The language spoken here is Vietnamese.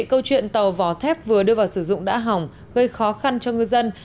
câu chuyện tàu vỏ thép vừa đưa vào sử dụng đã hỏng gây khó khăn cho ngư dân